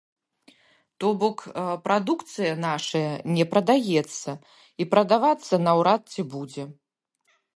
То бок, прадукцыя нашая не прадаецца, і прадавацца наўрад ці будзе.